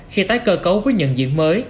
khi tái cơ cấu với nhận diện mới